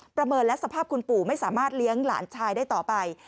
เมินและสภาพคุณปู่ไม่สามารถเลี้ยงหลานชายได้ต่อไป